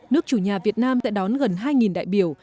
nước chủ nhà việt nam đã đón gần hai đại biểu